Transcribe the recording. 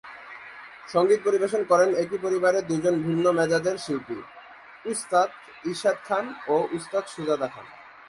সঙ্গীত পরিবেশন করেন একই পরিবারের দুজন ভিন্ন মেজাজের শিল্পী উস্তাদ ইরশাদ খান ও উস্তাদ সুজাত খান।